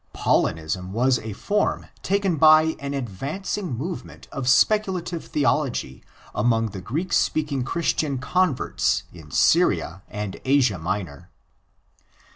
Paulinism was ἃ form taken by an advancing movement of speculative theology among the Greek speaking Christian converts in Syria and Asia Minor.